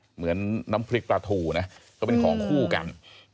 เหมือนน้ำพริกปลาทูนะก็เป็นของคู่กัน